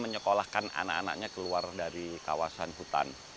menyekolahkan anak anaknya keluar dari kawasan hutan